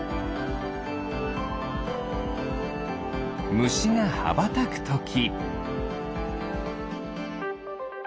ムシがはばたくとき。